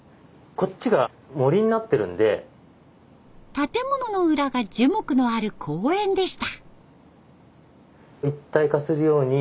建物の裏が樹木のある公園でした。